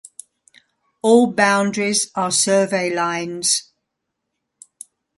All boundaries are survey lines.